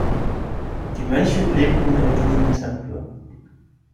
Die Mönche lebten in diesem Tempel.